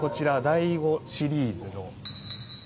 第５シリーズ。